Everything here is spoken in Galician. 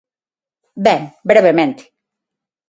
Ben, brevemente.